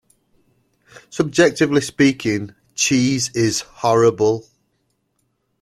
Subjectively speaking, cheese is horrible.